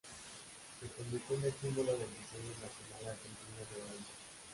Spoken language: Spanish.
Se convirtió en el símbolo del diseño nacional argentino en el mundo.